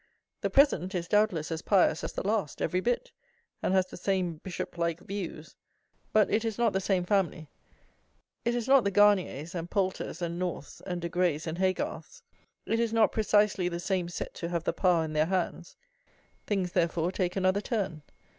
The present is doubtless as pious as the last, every bit; and has the same Bishop like views; but it is not the same family; it is not the Garniers and Poulters and Norths and De Grays and Haygarths; it is not precisely the same set who have the power in their hands. Things, therefore, take another turn.